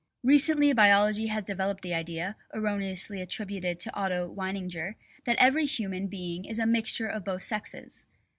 Recently biology has developed the idea, erroneously attributed to Otto Weininger, that every human being is a mixture of both sexes.